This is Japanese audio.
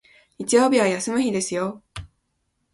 日曜日は休む日ですよ